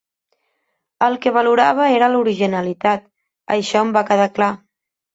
El que valorava era l'originalitat, això em va quedar clar.